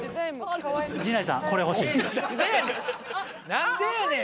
何でやねん！